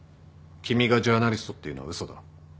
君がジャーナリストっていうのは嘘だ。